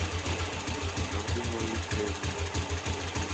سوئدي ۾ عيد ٿي گئي.